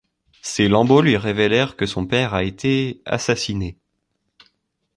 Ces lambeaux lui révélèrent que son père a été… assassiné.